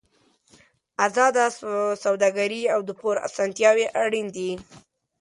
ازاده سوداګري او د پور اسانتیاوې اړین دي.